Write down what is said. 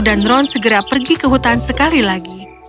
dan ron segera pergi ke hutan sekali lagi